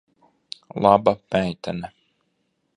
Laba meitene.